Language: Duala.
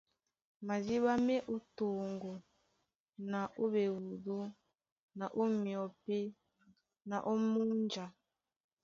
Madíɓá má e ó toŋgo na ó ɓeúdu na ó myɔpí na ó múnja.